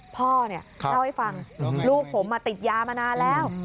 พ่อเนี่ยเล่าให้ฟังลูกผมติดยามานานแล้ว